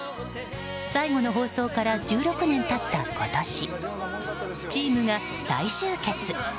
最後の放送から１６年経った今年チームが再集結。